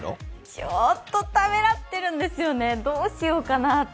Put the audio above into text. ちょっとためらってるんですよね、どうしようかなって。